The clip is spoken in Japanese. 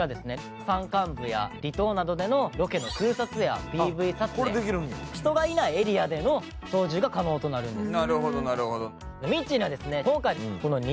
山間部や離島などでのロケの空撮やＰＶ撮影人がいないエリアでの操縦が可能となるんです。